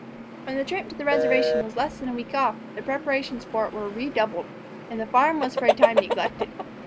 When the trip to the reservation was less than a week off, the preparations for it were redoubled, and the farm was for a time neglected.